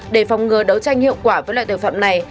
để phòng ngừa đấu tranh hiệu quả với loại tội phạm này